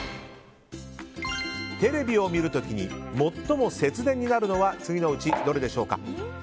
テレビを見る時に最も節電になるのは次のうちどれでしょうか。